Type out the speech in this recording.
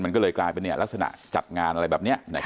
มันก็เลยกลายเป็นเนี้ยลักษณะจัดงานอะไรแบบเนี้ยค่ะอืม